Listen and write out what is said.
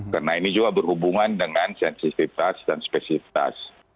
karena ini juga berhubungan dengan sensitivitas dan spesifitas